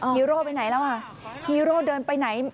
ฮีโร่ไปไหนฮีโร่เดินไปไหน